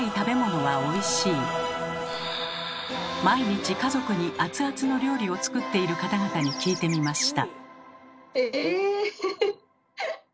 毎日家族にアツアツの料理を作っている方々に聞いてみました。